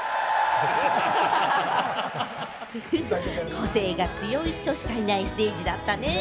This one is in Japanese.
個性が強い人しかいないステージだったね。